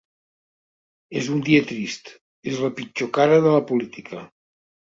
És un dia trist, és la pitjor cara de la política.